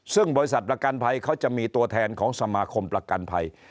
ซึ่งบริษัทประกันภัยเขาจะมีตัวแทนของสมาคมประกันภัย